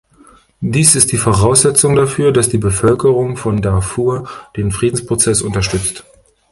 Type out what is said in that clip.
Dies ist die Voraussetzung dafür, dass die Bevölkerung von Darfur den Friedensprozess unterstützt.